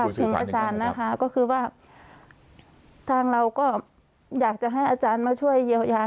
ถึงอาจารย์นะคะก็คือว่าทางเราก็อยากจะให้อาจารย์มาช่วยเยียวยา